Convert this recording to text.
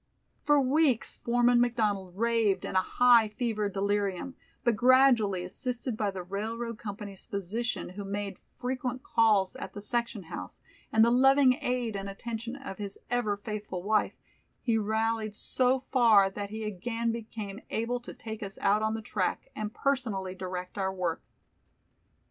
For weeks Foreman McDonald raved in a high fevered delirium, but gradually, assisted by the railroad company's physician, who made frequent calls at the section house, and the loving aid and attention of his ever faithful wife, he rallied so far that he again became able to take us out on the track and personally direct our work.